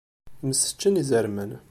Mseččen izerman.